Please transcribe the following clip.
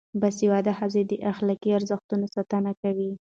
باسواده ښځې د اخلاقي ارزښتونو ساتنه کوي.